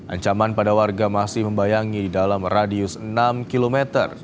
ancaman pada warga masih membayangi di dalam radius enam km